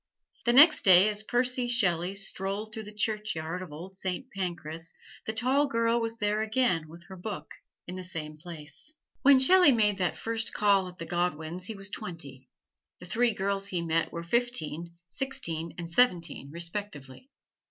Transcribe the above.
The next day, as Percy Shelley strolled through the churchyard of Old Saint Pancras, the tall girl was there again with her book, in the same place. When Shelley made that first call at the Godwins he was twenty. The three girls he met were fifteen, sixteen and seventeen, respectively.